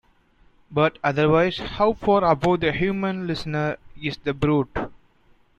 But, otherwise, how far above the human listener is the brute!